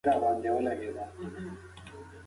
نيمګړې جمله مانا نه ورکوي.